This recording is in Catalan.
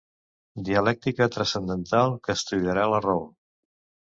Dialèctica Transcendental, que estudiarà la raó.